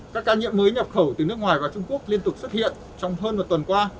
các ca nhiễm mới nhập khẩu từ nước ngoài vào trung quốc liên tục xuất hiện trong hơn một tuần qua